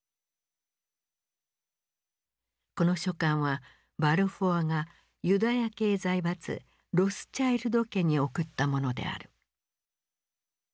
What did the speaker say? この書簡はバルフォアがユダヤ系財閥ロスチャイルド家に送ったものである。